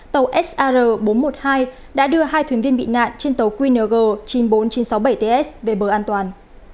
tàu sr bốn trăm một mươi hai đã đưa hai thuyền viên bị nạn trên tàu qng chín mươi bốn nghìn chín trăm sáu mươi bảy ts về bờ an toàn